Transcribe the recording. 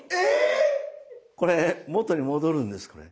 これ元に戻るんですこれ。